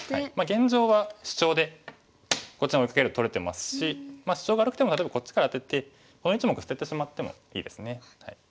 現状はシチョウでこっちに追いかけると取れてますしシチョウ悪くても例えばこっちからアテてこの１目捨ててしまってもいいですね。